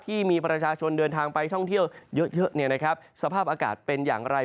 ที่มีประชาชนเดินทางไปท่องเที่ยวเยอะสภาพอากาศเป็นอย่างไร